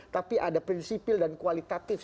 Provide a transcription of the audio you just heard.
tapi ada prinsipil dan kualitatif